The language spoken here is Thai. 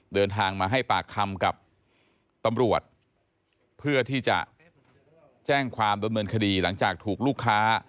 เดินทางมาให้ปากคำกับตำรวจเพื่อที่จะแจ้งความดำเนินคดีหลังจากถูกลูกค้า